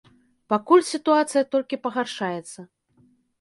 Пакуль сітуацыя толькі пагаршаецца.